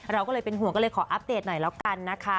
เราก็เลยเป็นห่วงก็เลยขออัปเดตหน่อยแล้วกันนะคะ